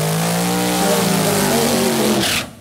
abantu bambaye ibigunira